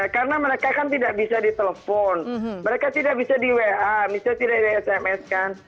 karena mereka tidak bisa di telepon mereka tidak bisa di wa tidak bisa di sms